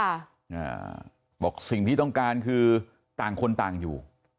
อ่าบอกสิ่งที่ต้องการคือต่างคนต่างอยู่